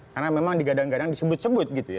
karena memang digadang gadang disebut sebut gitu ya